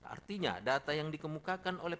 artinya data yang dikemukakan oleh